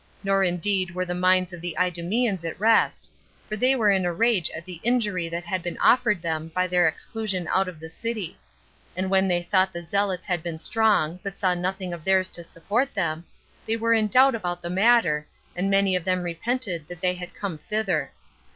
Nor indeed were the minds of the Idumeans at rest; for they were in a rage at the injury that had been offered them by their exclusion out of the city; and when they thought the zealots had been strong, but saw nothing of theirs to support them, they were in doubt about the matter, and many of them repented that they had come thither.